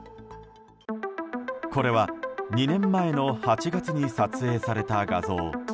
これは２年前の８月に撮影された画像。